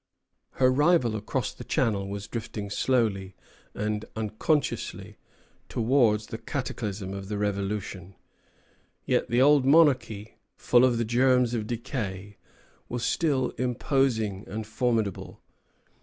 Her rival across the Channel was drifting slowly and unconsciously towards the cataclysm of the Revolution; yet the old monarchy, full of the germs of decay, was still imposing and formidable.